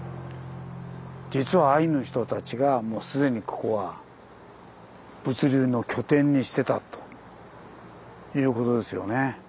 実はアイヌの人たちがもう既にここは物流の拠点にしてたということですよね。